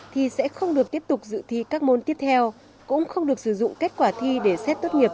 thì sẽ không được tiếp tục dự thi các môn tiếp theo cũng không được sử dụng kết quả thi để xét tốt nghiệp